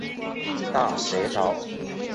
大学头。